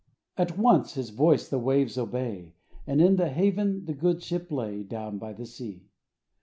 At once His voice the waves obey — And in the haven the good ship lay, Down by the sea.